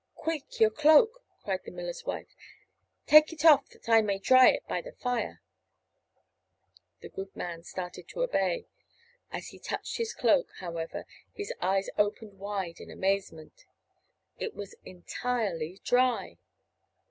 "Quick, your cloak!" cried the miller's wife. "Take it off that I may dry it by the fire!" The good man started to obey. As he touched his cloak, however, his eyes opened wide in amazement. It was entirely dry.